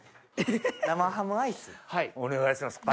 お願いします